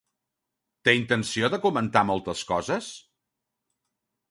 Té intenció de comentar moltes coses?